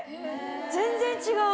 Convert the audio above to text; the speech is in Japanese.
全然違う。